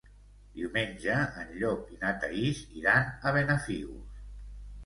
Diumenge en Llop i na Thaís iran a Benafigos.